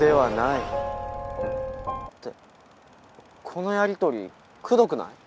このやり取りくどくない？